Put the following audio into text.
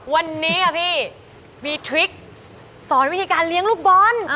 วันนี้พี่มีทริคสอนวิธีการเลี้ยงลูกบอล